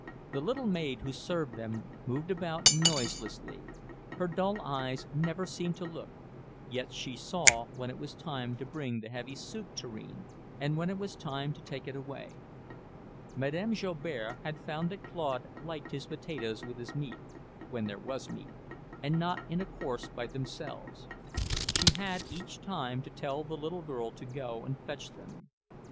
The little maid who served them moved about noiselessly. Her dull eyes never seemed to look; yet she saw when it was time to bring the heavy soup tureen, and when it was time to take it away. Madame Joubert had found that Claude liked his potatoes with his meat when there was meat and not in a course by themselves. She had each time to tell the little girl to go and fetch them.